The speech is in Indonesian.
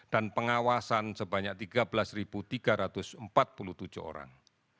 dan pengawasan sebanyak tiga belas tiga ratus empat puluh tujuh orang